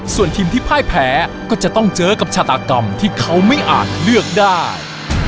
ส่วนทีมที่พ่ายแพ้ก็จะต้องเจอกับชาตากรรมที่เขาไม่อาจเลือกได้